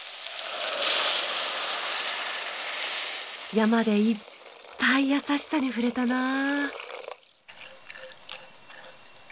山でいっぱい優しさに触れたなあ。